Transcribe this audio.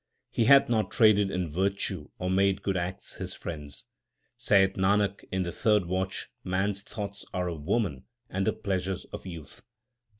He hath not traded in virtue or made good acts his friends. Saith Nanak, in the third watch man s thoughts are of woman and the pleasures of youth.